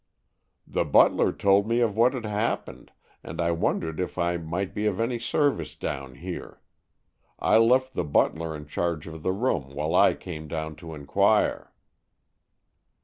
"The butler told me of what had happened, and I wondered if I might be of any service down here. I left the butler in charge of the room while I came down to inquire."